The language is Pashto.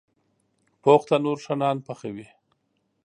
پوخ تنور ښه نان پخوي